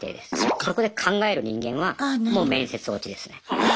そこで考える人間はもう面接落ちですね。